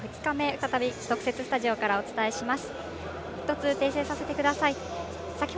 再び特設スタジオからお伝えします。